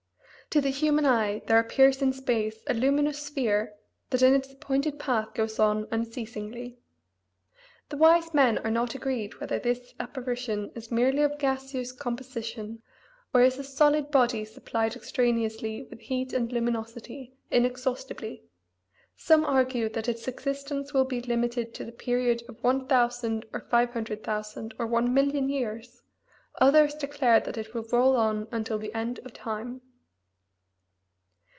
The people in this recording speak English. To the human eye there appears in space a luminous sphere that in its appointed path goes on unceasingly. The wise men are not agreed whether this apparition is merely of gaseous composition or is a solid body supplied extraneously with heat and luminosity, inexhaustibly; some argue that its existence will be limited to the period of one thousand, or five hundred thousand, or one million years; others declare that it will roll on until the end of time.